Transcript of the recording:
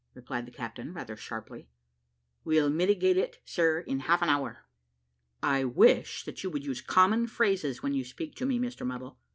replied the captain rather sharply. "We'll mitigate it, sir, in half an hour." "I wish that you would use common phrases, when you speak to me, Mr Muddle.